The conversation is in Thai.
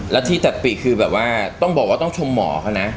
แล้วที่ตัดปีกคือแบบว่าต้องบอกว่าต้องชมหมอเขานะ